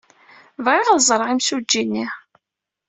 Bɣiɣ ad ẓreɣ imsujji-nni.